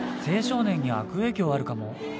青少年に悪影響あるかも。